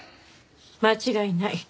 間違いない。